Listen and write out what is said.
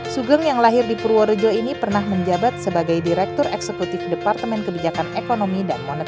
sugeng yang lahir di purworejo ini pernah menjabat sebagai direktur eksekutif departemen kebijakan ekonomi dan moneter